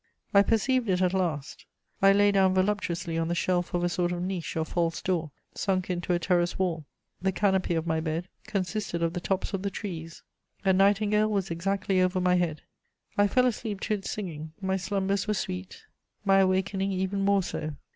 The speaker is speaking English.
I perceived it at last: I lay down voluptuously on the shelf of a sort of niche or false door, sunk into a terrace wall; the canopy of my bed consisted of the tops of the trees, a nightingale was exactly over my head; I fell asleep to its singing: my slumbers were sweet, my awakening even more so.